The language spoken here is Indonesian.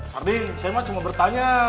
sardi saya mah cuma bertanya